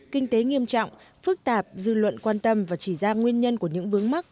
kinh tế nghiêm trọng phức tạp dư luận quan tâm và chỉ ra nguyên nhân của những vướng mắt